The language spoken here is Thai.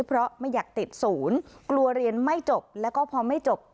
เพราะไม่อยากติดศูนย์กลัวเรียนไม่จบแล้วก็พอไม่จบ